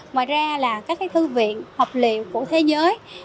ngoài ra là các thư viện học liệu của thế giới